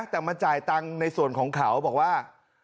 แต่มาจ่ายตังค์ในส่วนของเขาบอกว่า